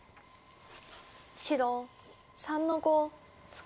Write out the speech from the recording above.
白３の五ツケ。